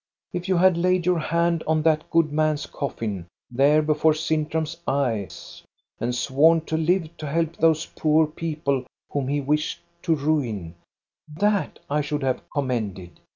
If you had laid your hand on that good man's coffin, there before Sintram's eyes, and sworn to live to help those poor people whom he wished to ruin, that I should have commended.